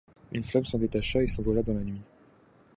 Une flamme s’en détacha, et s’envola dans la nuit.